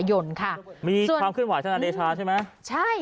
ปอล์กับโรเบิร์ตหน่อยไหมครับ